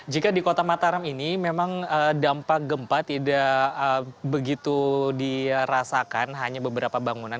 jika di kota mataram ini memang dampak gempa tidak begitu dirasakan hanya beberapa bangunan